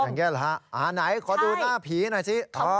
อย่างนี้เหรอฮะอ่าไหนขอดูหน้าผีหน่อยสิ